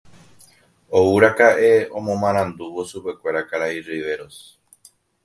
Ouraka'e omomarandúvo chupekuéra karai Riveros.